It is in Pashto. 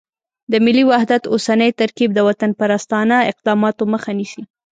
د ملي وحدت اوسنی ترکیب د وطنپرستانه اقداماتو مخه نیسي.